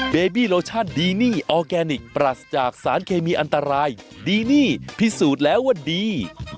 เบบี้โลชั่นดีนี่ออร์แกนิคปรัสจากสารเคมีอันตรายดีนี่พิสูจน์แล้วว่าดี